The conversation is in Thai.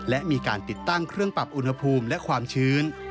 และมีการติดตั้งเครื่องปรับอุณหภูมิและความชื้น